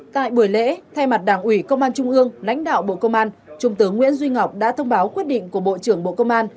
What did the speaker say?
tại buổi lễ thay mặt đảng ủy công an trung ương lãnh đạo bộ công an trung tướng nguyễn duy ngọc đã thông báo quyết định của bộ trưởng bộ công an